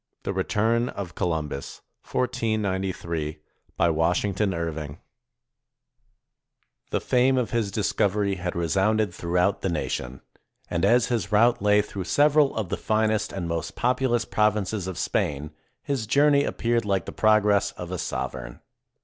THE RETURN OF COLUMBUS BY WASHINGTON IRVING The fame of his discovery had resounded throughout the nation, and as his route lay through several of the finest and most populous provinces of Spain, his journey appeared like the progress of a sovereign.